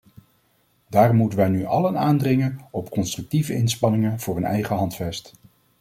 Daarom moeten wij nu allen aandringen op constructieve inspanningen voor een eigen handvest.